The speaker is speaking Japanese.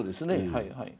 はいはい。